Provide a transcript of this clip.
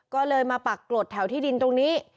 ก็เลยมาปักกรดแถวที่ดินตรงนี้